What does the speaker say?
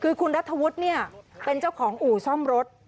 คือคุณรัฐวุฒิเนี่ยเป็นเจ้าของอู่ซ่อมรถ